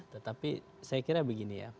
tetapi saya kira begini ya